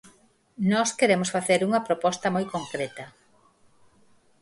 Nós queremos facer unha proposta moi concreta.